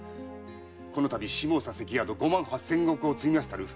このたび下総関宿五万八千石を継ぎましたる